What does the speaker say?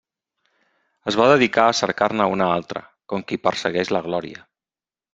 Es va dedicar a cercar-ne una altra, com qui persegueix la glòria.